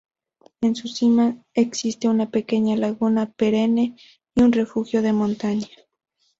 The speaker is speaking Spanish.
En su cima existe una pequeña laguna perenne y un refugio de montaña.